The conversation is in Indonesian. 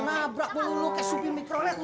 nabrak dulu lo kayak supi mikro